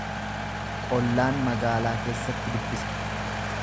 Ollaan magaalaa keessatti dubbisa.